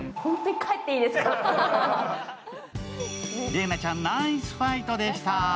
麗菜ちゃん、ナイスファイトでした。